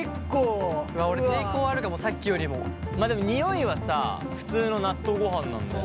俺抵抗あるかもさっきよりも。まあでも匂いはさ普通の納豆ごはんなんだよ。